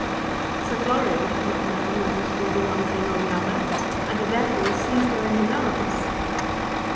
Sir Florian had not known whether to do the one thing or the other, and had therefore seized her in his arms.